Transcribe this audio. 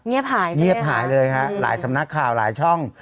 เงียบหายใช่ไหมฮะเงียบหายเลยฮะหลายสำนักข่าวหลายช่อง